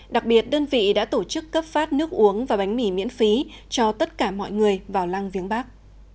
đặc biệt đơn vị đã tổ chức cấp phát nước uống và bánh mì miễn phí cho tất cả mọi người vào lăng viếng bắc